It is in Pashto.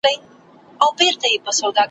موږ د خپل مطرب په وار یو ګوندي راسي `